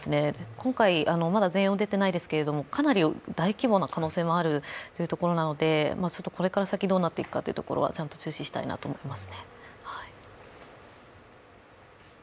今回、まだ全容が出ていないですけども、かなり大規模な可能性があるということなので、これから先どうなっていくのかというところはちゃんと注視したいなと思います。